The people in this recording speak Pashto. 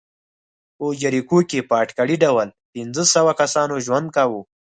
په جریکو کې په اټکلي ډول پنځه سوه کسانو ژوند کاوه.